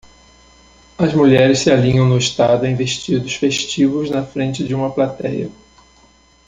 As mulheres se alinham no estado em vestidos festivos na frente de uma platéia.